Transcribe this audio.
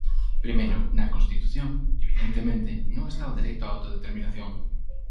Primeiro, na Constitución, evidentemente, non está o dereito á autodeterminación.